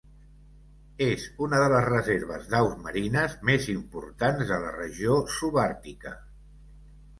És una de les reserves d'aus marines més importants de la regió subàrtica.